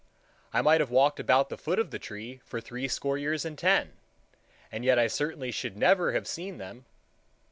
I might have walked about the foot of the tree for threescore years and ten, and yet I certainly should never have seen them.